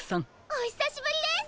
おひさしぶりです！